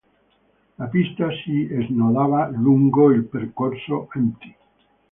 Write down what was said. La pista si snodava lungo il percorso "Mt.